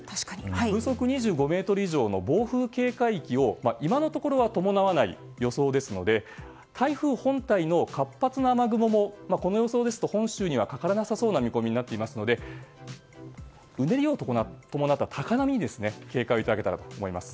風速２５メートル以上の暴風警戒域を今のところは伴わない予想ですので台風本体の活発な雨雲もこの予想ですと、本州にはかからなさそうな見込みですのでうねりを伴った高波に警戒をいただけたらと思います。